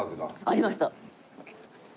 ありました。